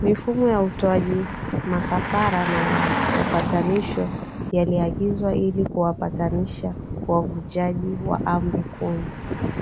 Mifumo ya kutoa makafara na ya Upatanisho yaliagizwa ili kuwapatanisha wavunjaji wa Amri kumi